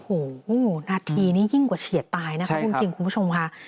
โอ้โหนาทีนี้ยิ่งกว่าเฉียดตายนะคะคุณคิงคุณผู้ชมค่ะ